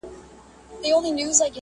یو په یو یې د ژوند حال ورته ویلی،